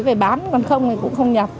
về bán còn không thì cũng không nhập